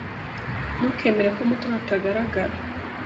Ntukemere ko Mutoni atagaragara.